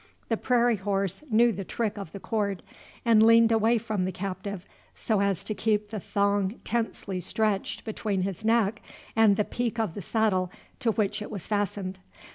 The prairie horse knew the trick of the cord, and leaned away from the captive, so as to keep the thong tensely stretched between his neck and the peak of the saddle to which it was fastened.